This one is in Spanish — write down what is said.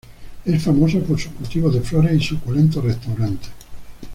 Es famoso por sus cultivos de flores y suculentos restaurantes.